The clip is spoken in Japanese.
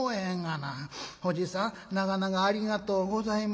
『おじさん長々ありがとうございました。